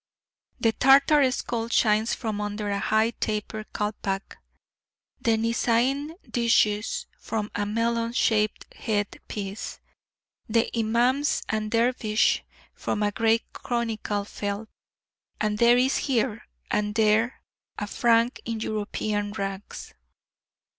The Tartar skull shines from under a high taper calpac, the Nizain djid's from a melon shaped head piece; the Imam's and Dervish's from a grey conical felt; and there is here and there a Frank in European rags.